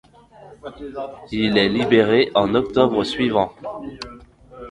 Il est libéré en octobre suivant.